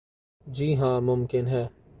جی ہاں ممکن ہے ۔